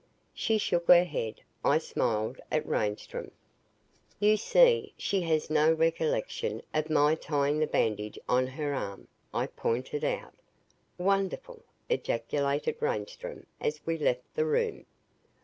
She shook her head. I smiled at Reinstrom. "You see, she has no recollection of my tying the bandage on her arm," I pointed out. "Wonderful!" ejaculated Reinstrom as we left the room.